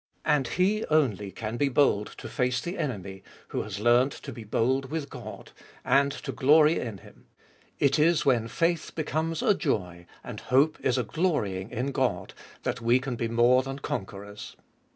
And he only can be bold to face the enemy who has learnt to be bold with God, and to glory in Him. It is when faith becomes a joy, and hope is a glorying in God, that we can be more than conquerors.